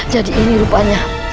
jadi ini rupanya